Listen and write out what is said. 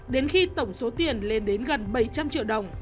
đến khi tổng số tiền lên đến gần bảy trăm linh triệu đồng